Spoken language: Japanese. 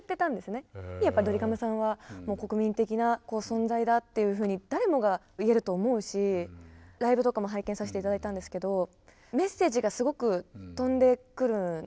やっぱりドリカムさんは国民的な存在だっていうふうに誰もが言えると思うしライブとかも拝見させて頂いたんですけどメッセージがすごく飛んでくるんですよね。